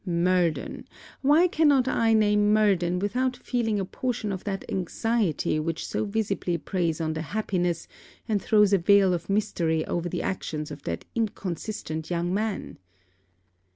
Murden! Why cannot I name Murden without feeling a portion of that anxiety which so visibly preys on the happiness, and throws a veil of mystery over the actions of that inconsistent young man?